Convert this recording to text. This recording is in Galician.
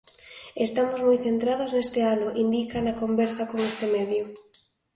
"Estamos moi centrados neste ano", indica na conversa con este medio.